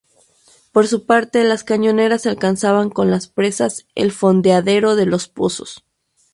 Por su parte, las cañoneras alcanzaban con las presas el fondeadero de Los Pozos.